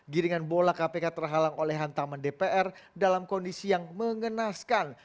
giringan bola kpk terhalang oleh hantaman dpr dalam kondisi yang mengenaskan